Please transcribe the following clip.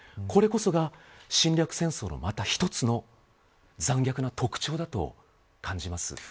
これこそが侵略戦争のまた一つの残虐な特徴だと感じます。